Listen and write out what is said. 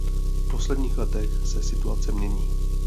V posledních letech se situace mění.